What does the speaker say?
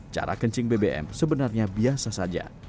cara kencing bbm sebenarnya biasa saja